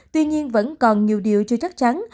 tuy nhiên vẫn còn nhiều điều chưa chắc chắn